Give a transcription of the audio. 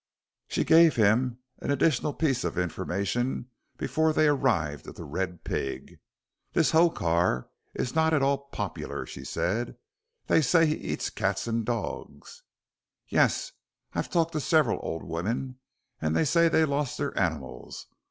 She gave him an additional piece of information before they arrived at "The Red Pig." "This Hokar is not at all popular," she said; "they say he eats cats and dogs. Yes. I've talked to several old women, and they say they lost their animals.